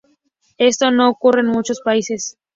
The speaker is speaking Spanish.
Esto no ocurre en muchos paises.